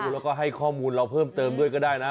แล้วก็ให้ข้อมูลเราเพิ่มเติมด้วยก็ได้นะ